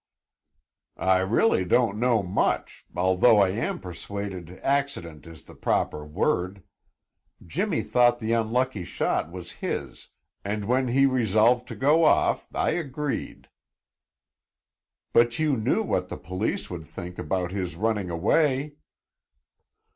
"I really don't know much, although I am persuaded accident is the proper word. Jimmy thought the unlucky shot was his and when he resolved to go off I agreed." "But you knew what the police would think about his running away!"